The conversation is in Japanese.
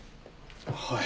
はい。